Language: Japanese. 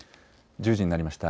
１０時になりました。